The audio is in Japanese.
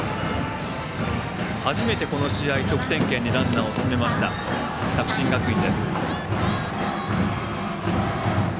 初めて、この試合、得点圏にランナーを進めました、作新学院。